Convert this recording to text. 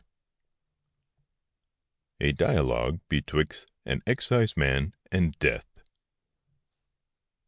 A DIALOGUE BETWIXT AN EXCISEMAN AND DEATH.